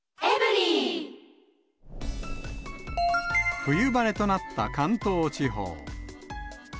冬晴れとなった関東地方。